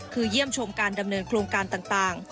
คือเยี่ยมชมการดำเนินโครงการต่าง